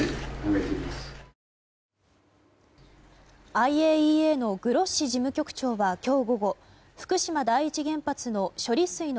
ＩＡＥＡのグロッシ事務局長は今日午後福島第一原発の処理水の